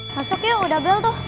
besok yuk udah bel tuh